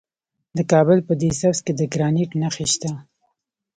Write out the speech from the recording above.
د کابل په ده سبز کې د ګرانیټ نښې شته.